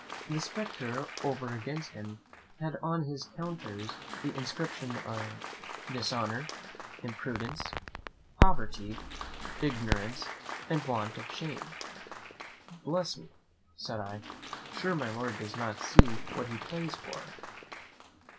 The spectre over against him had on his counters the inscriptions of "Dishonour, Impudence, Poverty, Ignorance, and Want of Shame." "Bless me!", said I; "sure, my Lord does not see what he plays for?"